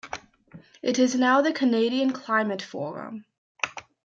It is now the Canadian Climate Forum.